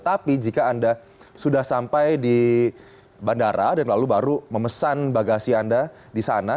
tapi jika anda sudah sampai di bandara dan lalu baru memesan bagasi anda di sana